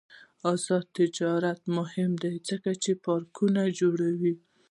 آزاد تجارت مهم دی ځکه چې پارکونه جوړوي.